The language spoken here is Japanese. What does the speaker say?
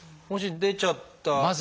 もし出ちゃったら。